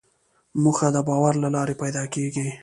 موخه د باور له لارې پیدا کېږي.